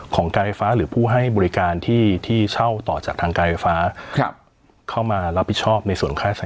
การไฟฟ้าหรือผู้ให้บริการที่ที่เช่าต่อจากทางการไฟฟ้าครับเข้ามารับผิดชอบในส่วนค่าใช้